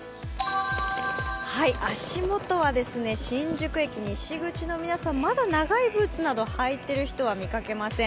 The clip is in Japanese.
足元は新宿駅西口の皆さん、まだ長いブーツなど履いている人は見かけません。